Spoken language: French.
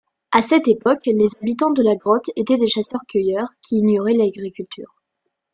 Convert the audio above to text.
À cette époque les habitants de la grotte étaient des chasseurs-cueilleurs qui ignoraient l'agriculture.